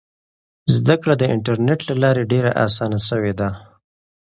زده کړه د انټرنیټ له لارې ډېره اسانه سوې ده.